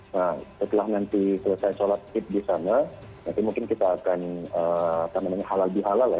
nah setelah nanti selesai sholat idul fitri di sana nanti mungkin kita akan apa namanya halal bihalal ya